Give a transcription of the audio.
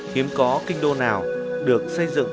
hiếm có kinh đô nào được xây dựng như thế này